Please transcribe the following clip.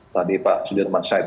tadi pak sudirman syed